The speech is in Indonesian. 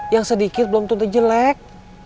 yang sedikit belum tentu jelek